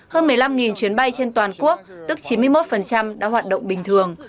hơn một mươi năm chuyến bay trên toàn quốc tức chín mươi một đã hoạt động bình thường